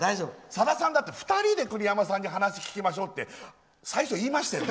さださん、だって２人で栗山さんに話を聞きましょうって最初、言いましたよね？